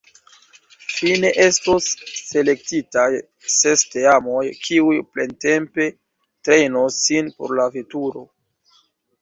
Fine estos selektitaj ses teamoj, kiuj plentempe trejnos sin por la veturo.